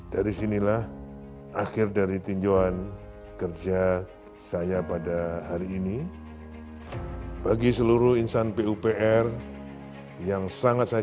dari sinilah akhir dari tinjauan kerja saya pada hari ini bagi seluruh insan pupr yang sangat saya